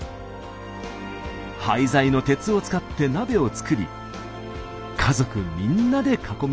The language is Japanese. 廃材の鉄を使って鍋を作り家族みんなで囲みました。